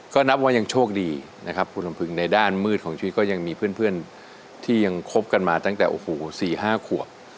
ก็นับว่ายังโชคดีนะครับคุณลำพึงในด้านมืดของชีวิตก็ยังมีเพื่อนที่ยังคบกันมาตั้งแต่โอ้โห๔๕ขวบ